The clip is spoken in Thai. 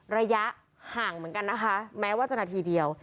ระยะห่างเหมือนกันนะคะแม้ว่าจะนาทีเดียว